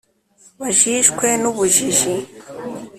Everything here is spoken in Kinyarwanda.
bajishwe n’ubujiji